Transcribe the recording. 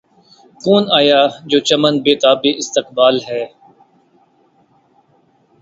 کون آیا‘ جو چمن بے تابِ استقبال ہے!